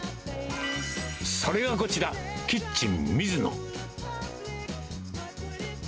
それがこちら、キッチン水野。